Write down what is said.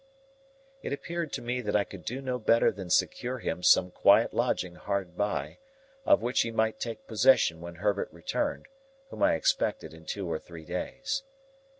It appeared to me that I could do no better than secure him some quiet lodging hard by, of which he might take possession when Herbert returned: whom I expected in two or three days.